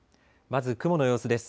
まず雲の様子です。